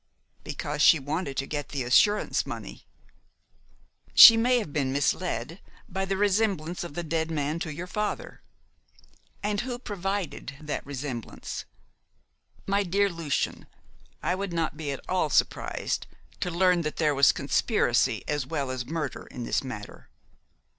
Because she wanted to get the assurance money." "She may have been misled by the resemblance of the dead man to your father." "And who provided that resemblance? My dear Lucian, I would not be at all surprised to learn that there was conspiracy as well as murder in this matter.